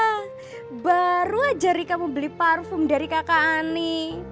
iya baru aja rika mau beli parfum dari kakak ani